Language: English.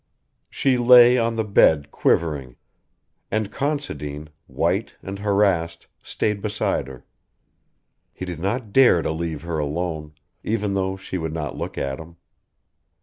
She lay on the bed quivering, and Considine, white and harassed, stayed beside her. He did not dare to leave her alone, even though she would not look at him.